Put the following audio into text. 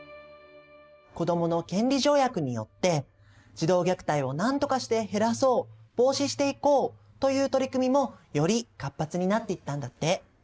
子どもの権利条約によって児童虐待をなんとかして減らそう防止していこうという取り組みもより活発になっていったんだって。